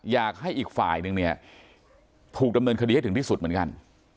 อยากให้อีกฝ่ายนึงเนี่ยถูกดำเนินคดีให้ถึงที่สุดเหมือนกัน